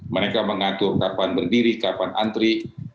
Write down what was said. mereka mengatur kapan berdiri kapan antri